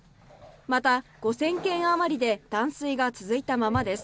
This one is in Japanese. また５０００軒あまりで断水が続いたままです。